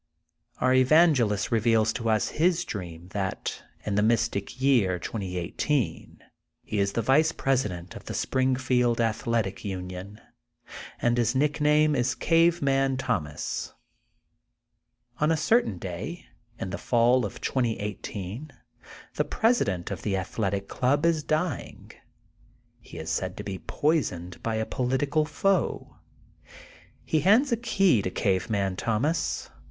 Our evangelist reveals to us his dream that in the Mystic Year 2018, he is the Vice Presi dent of the Springfield Athletic U^ion and his nickname is Cave Man Thomas. On a certain day, in the fall of 2018, the president of the Athletic Union is dying. He is *'said to he*' poisoned by a political foe. He hands a key to Cave Man Thomas.